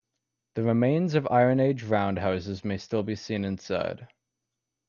The remains of Iron Age round houses may still be seen inside.